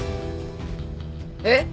えっ？